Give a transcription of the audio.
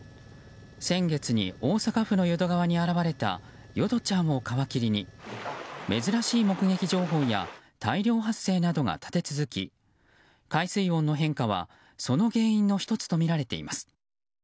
先月に大阪府の淀川に現れた淀ちゃんを皮切りに珍しい目撃情報や大量発生などが立て続き海水温の変化はその原因の１つとみられています。